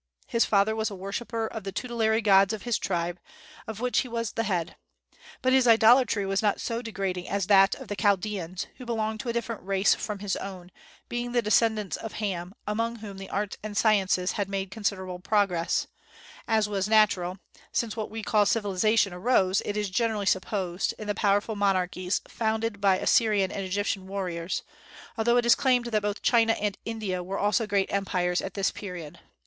His father was a worshipper of the tutelary gods of his tribe, of which he was the head; but his idolatry was not so degrading as that of the Chaldeans, who belonged to a different race from his own, being the descendants of Ham, among whom the arts and sciences had made considerable progress, as was natural, since what we call civilization arose, it is generally supposed, in the powerful monarchies founded by Assyrian and Egyptian warriors, although it is claimed that both China and India were also great empires at this period.